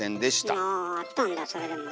おおあったんだそれでもね。